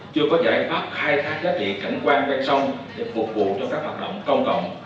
chưa có giải pháp khai thác giá trị cảnh quan ven sông để phục vụ cho các hoạt động công cộng